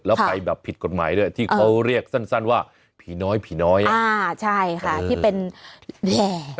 แล้วไปแบบผิดกฎหมายด้วยที่เขาเรียกสั้นว่าผีน้อยผีน้อยอ่าใช่ค่ะที่เป็นแห่